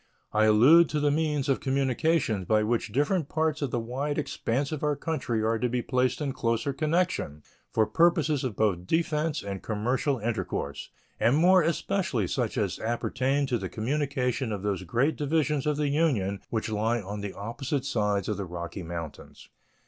I allude to the means of communication by which different parts of the wide expanse of our country are to be placed in closer connection for purposes both of defense and commercial intercourse, and more especially such as appertain to the communication of those great divisions of the Union which lie on the opposite sides of the Rocky Mountains.